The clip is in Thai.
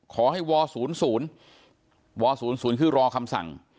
ขอให้ว๐๐ว๐๐คือรอคำสั่ง